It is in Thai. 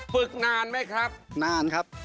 ฝึกนานไหมครับนานครับ